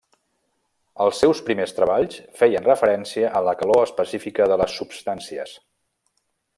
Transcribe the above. Els seus primers treballs feien referència a la calor específica de les substàncies.